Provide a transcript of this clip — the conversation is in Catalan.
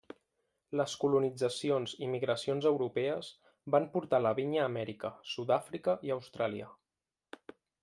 Les colonitzacions i migracions europees van portar la vinya a Amèrica, Sud-àfrica i Austràlia.